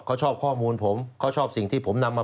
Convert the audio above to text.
เขาชอบข้อมูลผมเขาชอบสิ่งที่ผมนำมา